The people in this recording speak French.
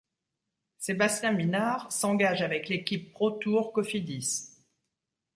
Sébastien Minard s'engage avec l'équipe ProTour Cofidis.